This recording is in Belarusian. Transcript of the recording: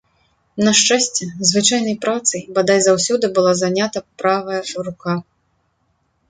На шчасце, звычайнай працай, бадай, заўсёды была занята правая рука.